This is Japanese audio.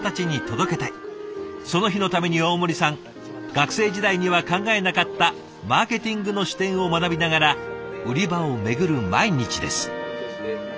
その日のために大森さん学生時代には考えなかったマーケティングの視点を学びながら売り場を巡る毎日です。